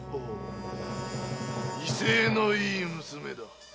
威勢のいい娘だ。